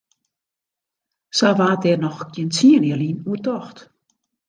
Sa waard dêr noch gjin tsien jier lyn oer tocht.